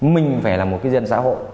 mình phải là một cái dân xã hội